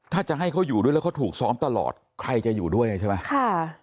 ถ้าจะให้เขาอยู่ด้วยแล้วเขาถูกซ้อมตลอดใครจะอยู่ด้วยใช่ไหมค่ะ